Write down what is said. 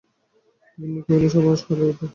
গিন্নি কহিলেন, সর্বনাশ হইল ওঠো।